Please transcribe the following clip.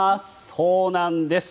そうなんです。